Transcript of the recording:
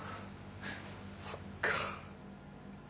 そっか。